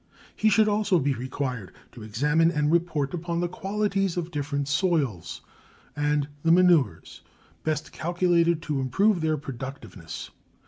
He should also be required to examine and report upon the qualities of different soils and the manures best calculated to improve their productiveness.